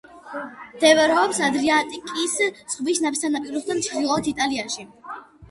მდებარეობს ადრიატიკის ზღვის სანაპიროსთან, ჩრდილოეთ იტალიაში.